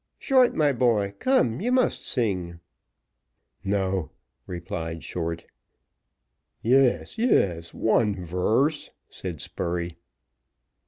"Short, my boy, come, you must sing." "No," replied Short. "Yes, yes one verse," said Spurey.